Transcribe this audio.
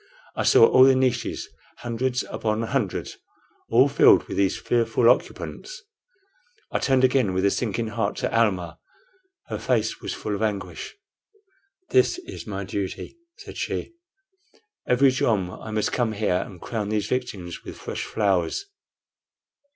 I saw all the niches, hundreds upon hundreds, all filled with these fearful occupants. I turned again with a sinking heart to Almah. Her face was full of anguish. "This is my duty," said she. "Every jom I must come here and crown these victims with fresh flowers."